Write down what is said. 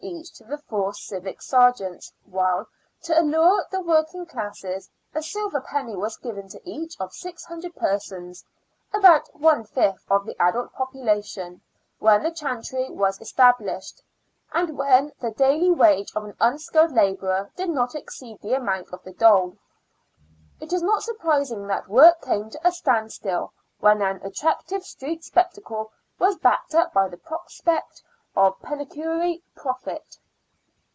each to the four civic sergeants, while, to allure the working classes, a silver penny was given to each of six hundred persons — about one fifth of the adult population when the chantry was established, and when the daily wage of an unskilled labourer did not exceed the amount of the dole. It is not surprising that work came to a standstill when an attractive street spectacle was backed by the prospect ot pecimiary profit.